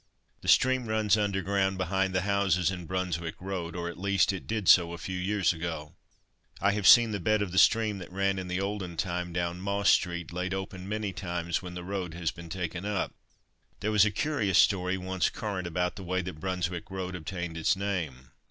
The stream runs underground, behind the houses in Brunswick road or, at least, it did so a few years ago. I have seen the bed of the stream that ran in the olden time down Moss street, laid open many times when the road has been taken up. There was a curious story once current about the way that Brunswick road obtained its name.